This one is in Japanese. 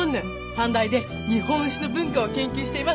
短大で日本酒の文化を研究しています。